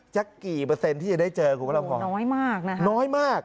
จะกี่เปอร์เซ็นต์ที่จะได้เจอคุณพุทธหลังคอน้อยมากนะครับน้อยมาก